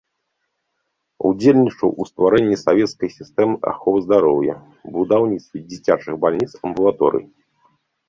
Удзельнічаў у стварэнні савецкай сістэмы аховы здароўя, будаўніцтве дзіцячых бальніц, амбулаторый.